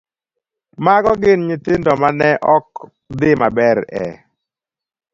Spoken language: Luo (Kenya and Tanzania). Mago gin nyithindo ma ne ok dhi maber e